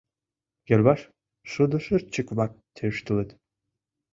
Йырваш шудошырчык-влак тӧрштылыт.